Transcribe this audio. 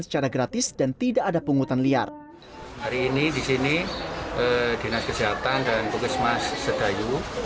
secara gratis dan tidak ada pungutan liar hari ini di sini dinas kesehatan dan puges mas sedayu